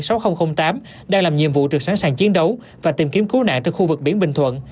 đoàn nhiệm vụ trực sẵn sàng chiến đấu và tìm kiếm cứu nạn trên khu vực biển bình thuận